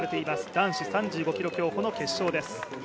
男子３５ｋｍ競歩の決勝です。